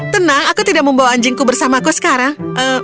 tenang aku tidak membawa anjingku bersamaku sekarang